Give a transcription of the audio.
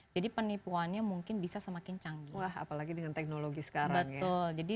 jadi penipuannya mungkin bisa semakin canggih apalagi dengan teknologi sekarang betul jadi